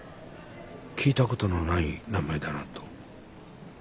聞いたことのない名前だなと。